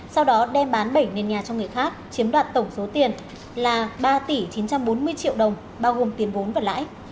sau đó đem bán bảnh lên nhà cho người khác chiếm đoạt tổng số tiền là ba tỷ chín trăm bốn mươi triệu đồng bao gồm tiền vốn và lãi